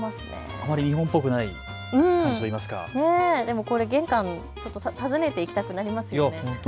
あまり日本ぽくないといいますか、玄関、ちょっと訪ねて行きたくなりますね。